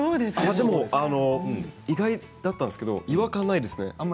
意外だったんですけど違和感ないですね。